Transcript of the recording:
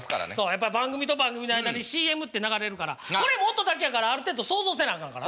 やっぱ番組と番組の間にＣＭって流れるからこれも音だけやからある程度想像せなあかんからね。